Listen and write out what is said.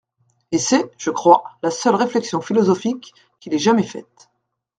Et c'est, je crois, la seule réflexion philosophique qu'il ait jamais faite.